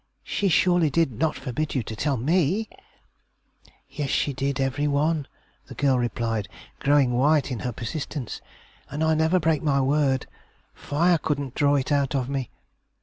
She surely did not forbid you to tell me?' 'Yes she did; every one,' the girl replied, growing white in her persistence, 'and I never break my word; fire couldn't draw it out of me.